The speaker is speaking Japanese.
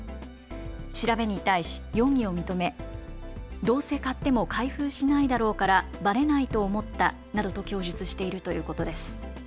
調べに対し容疑を認めどうせ買っても開封しないだろうから、ばれないと思ったなどと供述しているということです。